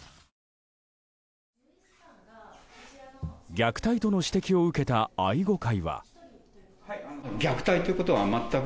虐待との指摘を受けた愛護会は。